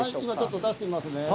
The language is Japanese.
今、ちょっと出してみますね。